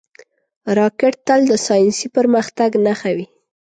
راکټ تل د ساینسي پرمختګ نښه وي